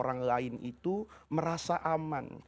orang lain itu merasa aman